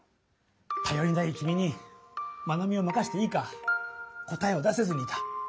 たよりない君にまなみをまかせていいか答えを出せずにいた。